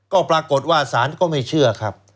ก็ปรากฏว่าศาลก็ไม่เชื่อครับ